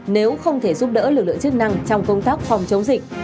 nếu không thể giúp đỡ lực lượng chức năng trong công tác phòng chống dịch